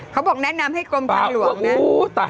เขาบอกแนะนำให้กลมพักหลวกนะ